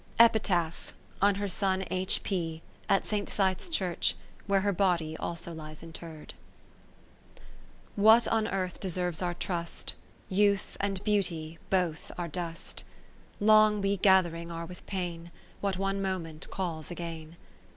Epitaph ^ on her Son H. P. at St. Syth's Church, where her body also Hes interred What on Earth deserves our trust ; Youth and Beauty both are dust. Long we gathering are with pain, What one moment calls again.